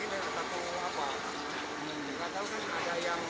cuman banyak yang gak ketemu dari bahaya